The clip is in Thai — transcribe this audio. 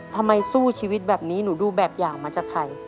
ทำไมสู้ชีวิตแบบนี้หนูดูแบบอย่างมาจากใคร